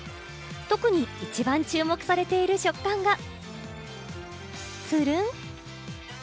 特に一番注目されている食感が、つるん。